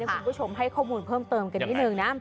คุณผู้ชมให้ข้อมูลเพิ่มเติมกันนิดนึงนะ